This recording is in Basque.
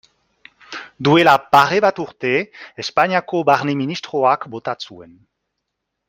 Duela pare bat urte Espainiako Barne ministroak bota zuen.